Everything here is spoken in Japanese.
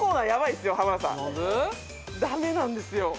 駄目なんですよ。